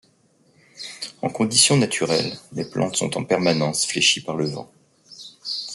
En conditions naturelles, les plantes sont en permanence fléchies par le vent.